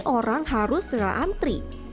orang harus pumped up